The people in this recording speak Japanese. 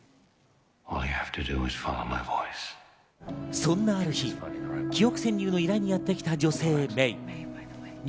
そんなある日、記憶潜入の依頼にやってきた依頼人。